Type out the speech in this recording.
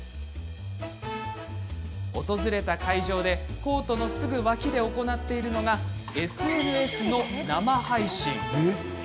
訪れた会場でコートのすぐ脇で行っているのがＳＮＳの生配信です。